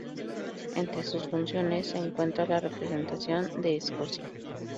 Entre sus funciones se encuentra la representación de Escocia.